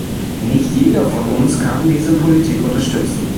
Nicht jeder von uns kann diese Politik unterstützen.